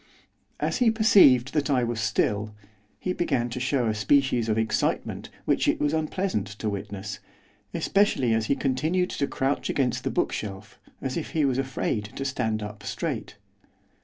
As he perceived that I was still, he began to show a species of excitement which it was unpleasant to witness, especially as he continued to crouch against the bookshelf, as if he was afraid to stand up straight.